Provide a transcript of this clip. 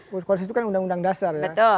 konstitusi itu kan undang undang dasar ya